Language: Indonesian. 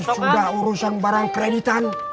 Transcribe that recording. sudah urusan barang kreditan